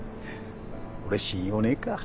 俺信用ねえか。